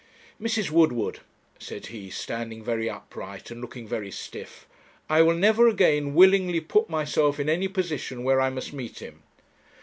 'Mrs. Woodward,' said he, standing very upright, and looking very stiff, 'I will never again willingly put myself in any position where I must meet him.'